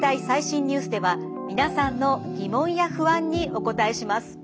最新ニュース」では皆さんの疑問や不安にお答えします。